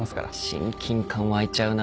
親近感湧いちゃうな。